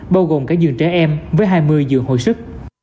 bao gồm các dường trẻ em với hai mươi dường hội sức